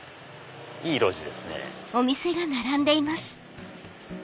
いい路地ですね。